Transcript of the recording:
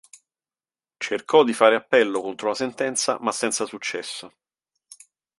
Cercò di fare appello contro la sentenza ma senza successo.